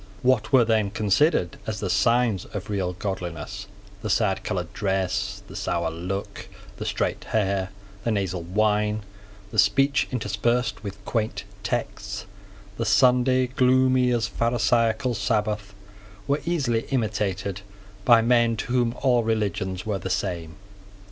What were then considered as the signs of real godliness, the sadcoloured dress, the sour look, the straight hair, the nasal whine, the speech interspersed with quaint texts, the Sunday, gloomy as a Pharisaical Sabbath, were easily imitated by men to whom all religions were the same.